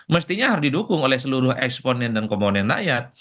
mestinya harus didukung oleh seluruh eksponen dan komponen rakyat